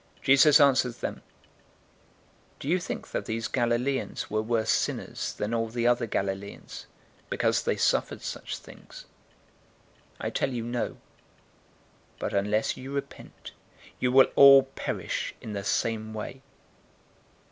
013:002 Jesus answered them, "Do you think that these Galileans were worse sinners than all the other Galileans, because they suffered such things? 013:003 I tell you, no, but, unless you repent, you will all perish in the same way.